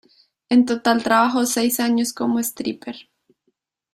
En total trabajó seis años como stripper.